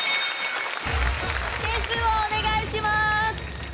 点数をお願いします。